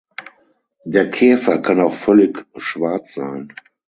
Der Käfer kann auch völlig schwarz sein.